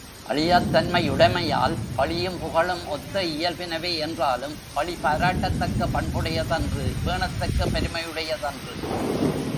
அழியாத் தன்மை யுடைமையால் பழியும் புகழும் ஒத்த இயல்பினவே என்றாலும், பழி பாராட்டத்தக்க பண்புடையதன்று பேணத்தக்க பெருமையுடையதன்று.